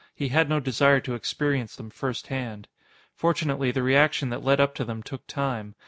He had no desire to experience them first hand. Fortunately, the reaction that led up to them took time.